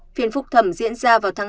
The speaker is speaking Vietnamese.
phiên phục thẩm diễn ra vào tháng năm